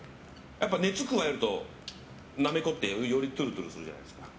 熱を加えると、なめこってよりツルツルするじゃないですか。